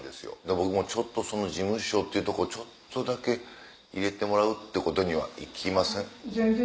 僕もその事務所っていうとこちょっとだけ入れてもらうことはできません？